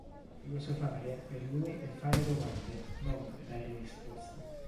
Filosofare per lui è fare domande, non dare risposte.